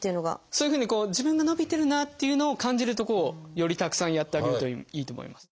そういうふうに自分が伸びてるなっていうのを感じるとこをよりたくさんやってあげるといいと思います。